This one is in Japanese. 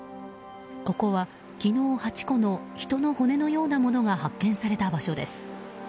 ここは、昨日８個の人の骨のようなものが発見された場所です。